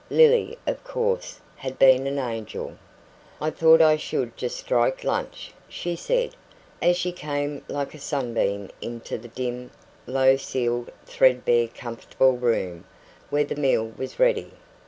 Lily, of course, had been an angel. "I thought I should just strike lunch," she said, as she came like a sunbeam into the dim, low ceiled, threadbare, comfortable room where the meal was ready.